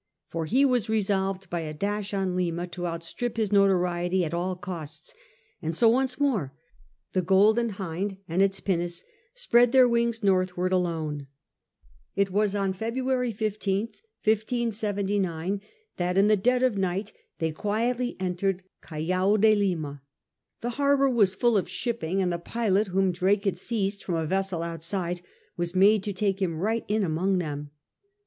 For he was resolved by a dash on Lima to outstrip his notoriety at all costs, and so once more the Golden Hind and its pinnace spread their wings northward alone. It was on February 15th that, in the dead of night, they quietly entered Callao de Lima. The harbour was full of shipping, and the pilot whom Drake had seized from a vessel outside was made to take him right in among them.